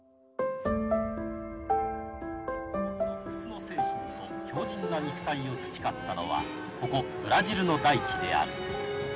不屈の精神と強じんな肉体を培ったのはここブラジルの大地である。